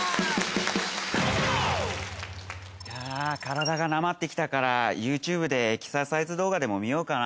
やぁ体がなまってきたからＹｏｕＴｕｂｅでエクササイズ動画でも見ようかな。